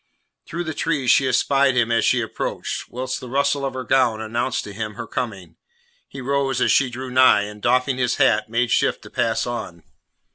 Through the trees she espied him as she approached, whilst the rustle of her gown announced to him her coming. He rose as she drew nigh, and, doffing his hat, made shift to pass on.